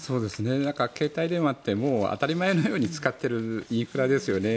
携帯電話ってもう当たり前のように使っているインフラですよね。